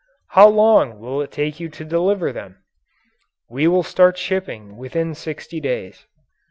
"How long will it take you to deliver them?" "We will start shipping within sixty days."